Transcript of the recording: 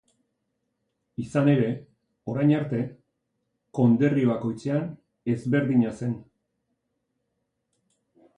Izan ere, orain arte, konderri bakoitzean ezberdina zen.